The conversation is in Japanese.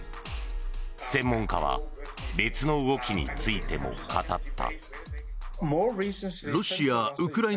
専門家は別の動きについても語った。